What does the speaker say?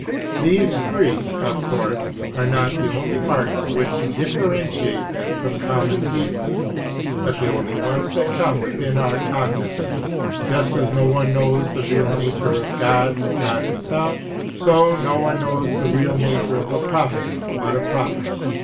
These three, of course, are not the only marks which differentiate them from common people, but the only ones that come within our cognisance. Just as no one knows the real nature of God but God Himself, so no one knows the real nature of a prophet but a prophet.